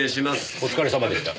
お疲れさまでした。